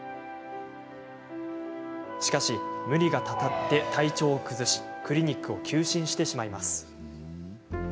しかし、無理がたたって体調を崩しクリニックを休診してしまいます。